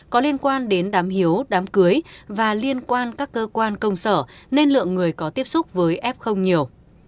có liên quan đến đám hiếu đám cưới và liên quan các cơ quan công sở nên lượng người có tiếp xúc với f nhiều